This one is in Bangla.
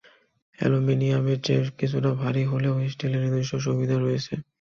অ্যালুমিনিয়ামের চেয়ে কিছুটা ভারী হলেও স্টিলের নিজস্ব সুবিধা রয়েছে।